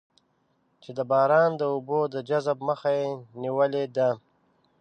چې د باران د اوبو د جذب مخه یې نېولې ده.